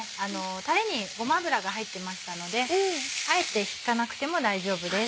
たれにごま油が入っていましたのであえて引かなくても大丈夫です。